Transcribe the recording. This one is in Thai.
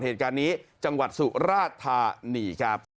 เหตุการณ์นี้จังหวัดสุราธานีครับ